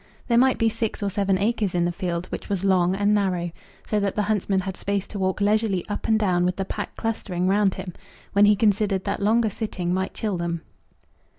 There might be six or seven acres in the field, which was long and narrow, so that the huntsman had space to walk leisurely up and down with the pack clustering round him, when he considered that longer sitting might chill them.